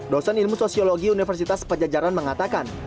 dosen ilmu sosiologi universitas pajajaran mengatakan